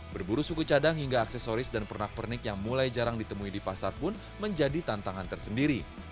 berburu suku cadang hingga aksesoris dan pernak pernik yang mulai jarang ditemui di pasar pun menjadi tantangan tersendiri